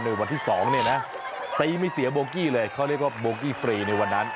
วันที่๒เนี่ยนะตีไม่เสียโบกี้เลยเขาเรียกว่าโบกี้ฟรีในวันนั้น